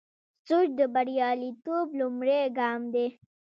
سوچ د بریالیتوب لومړی ګام دی.